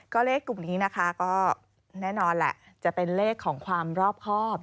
ก็เลขกลุ่มนี้นะคะก็แน่นอนแหละจะเป็นเลขของความรอบครอบ